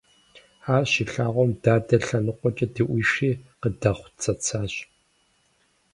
Ар щилъагъум, дадэ лъэныкъуэкӀэ дыӀуишри къыдэхъуцэцащ.